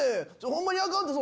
ホンマにアカンって！